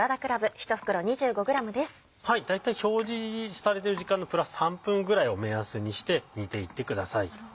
大体表示されている時間のプラス３分ぐらいを目安にして煮ていってください。